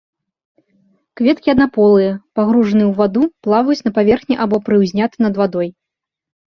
Кветкі аднаполыя, пагружаныя ў ваду, плаваюць на паверхні або прыўзняты над вадой.